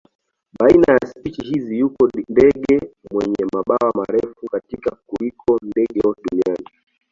Baina ya spishi hizi yuko ndege wenye mabawa marefu kabisa kuliko ndege wote duniani.